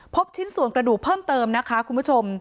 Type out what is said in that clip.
ชิ้นส่วนกระดูกเพิ่มเติมนะคะคุณผู้ชม